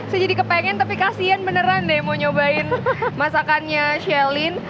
saya jadi kepengen tapi kasian beneran deh mau nyobain masakannya shelin